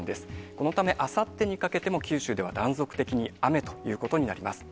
このため、あさってにかけても、九州では断続的に雨ということになります。